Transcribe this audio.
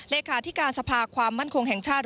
เลขาธิการสภาความมั่นคงแห่งชาติ